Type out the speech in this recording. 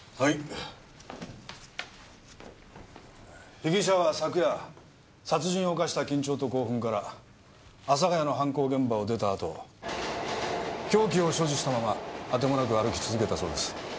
被疑者は昨夜殺人を犯した緊張と興奮から阿佐谷の犯行現場を出た後凶器を所持したままあてもなく歩き続けたそうです。